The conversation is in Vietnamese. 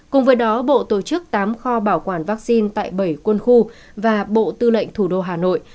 cùng với đó bộ tổ chức tám kho bảo quản vaccine tại bảy quân khu và bộ tư lệnh thủ đô hà nội